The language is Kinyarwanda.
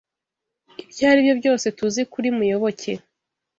Ibyo aribyo byose tuzi kuri Muyoboke.